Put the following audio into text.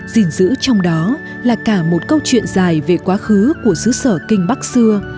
dình dữ trong đó là cả một câu chuyện dài về quá khứ của sứ sở kinh bắc xưa